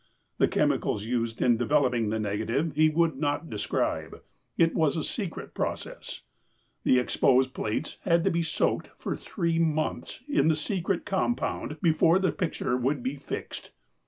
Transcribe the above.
The chemicals used in developing the negative he would not describe. It was a secret process. The exposed plates had to be soaked for three months in the secret compound before the picture would be fixed.